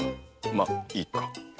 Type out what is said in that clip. まっいいか。